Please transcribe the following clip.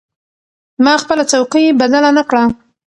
ما خپله څوکۍ بدله نه کړه.